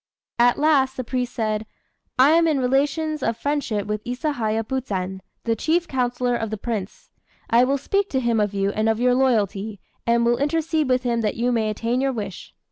At last the priest said, "I am in relations of friendship with Isahaya Buzen, the chief councillor of the Prince. I will speak to him of you and of your loyalty, and will intercede with him that you may attain your wish."